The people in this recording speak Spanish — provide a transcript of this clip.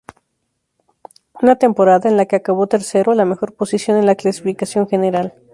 Una temporada en la que acabó tercero, la mejor posición en la clasificación general.